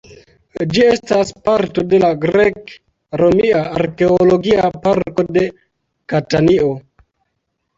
Ĝi estas parto de la Grek-Romia Arkeologia Parko de Katanio.